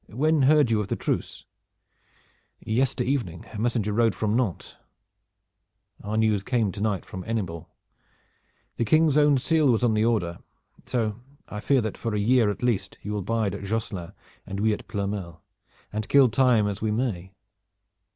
When heard you of the truce?" "Yester evening a messenger rode from Nantes." "Our news came to night from Hennebon. The King's own seal was on the order. So I fear that for a year at least you will bide at Josselin and we at Ploermel, and kill time as we may.